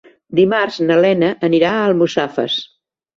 Dimarts na Lena anirà a Almussafes.